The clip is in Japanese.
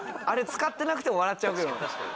あれ使ってなくても笑っちゃうけど。